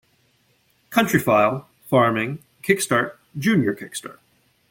"Countryfile", "Farming", "Kick Start", "Junior Kick Start".